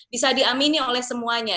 bisa diamini oleh semuanya